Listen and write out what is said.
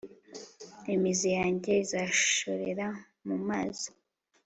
imizi yanjye izashorera mu mazi